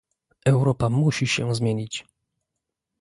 Europa musi się zmienić